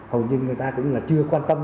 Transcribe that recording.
hầu như người ta cũng chưa quan tâm